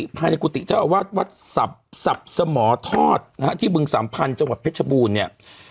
ภายในกุฏิเจ้าอาวาสวัดสับสมทอดนะฮะที่บึงสามพันธุ์จังหวัดเพชรบูรณ์เนี่ย